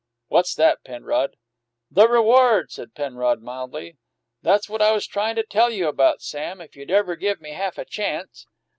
"What's that, Penrod?" "The reward," said Penrod mildly. "That's what I was tryin' to tell you about, Sam, if you'd ever give me half a chance."